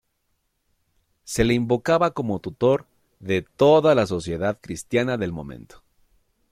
Se le invocaba como tutor de toda la sociedad cristiana del momento.